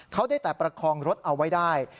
เขาได้แต่ประคองรถเอาไว้ได้